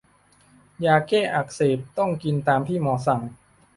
ยาแก้อักเสบต้องกินตามที่หมอสั่ง